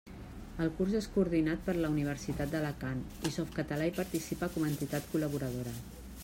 El curs és coordinat per la Universitat d'Alacant, i Softcatalà hi participa com a entitat col·laboradora.